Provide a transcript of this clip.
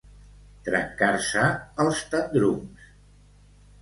Trencar-se els tendrums.